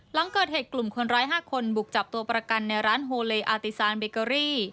หลังเกิดเหตุกลุ่มคนร้าย๕คนบุกจับตัวประกันในร้านโฮเลอาติซานเบเกอรี่